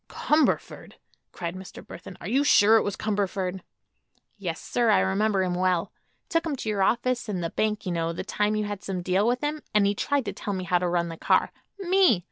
"Cumberford!" cried Mr. Burthon. "Are you sure it was Cumberford?" "Yes, sir; I remember him well. Took him to your office and the bank, you know, the time you had some deal with him; and he tried to tell me how to run the car. Me!